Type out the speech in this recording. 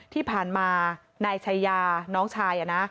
ที่ผ่านมานายชายาน้องชาย